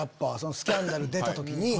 スキャンダル出た時に。